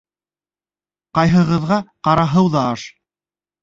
Ҡайғыһыҙға ҡара һыу ҙа аш.